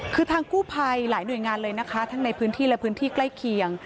คือทางกู้ภัยหลายหน่วยงานเลยนะคะทั้งในพื้นที่และพื้นที่ใกล้เคียง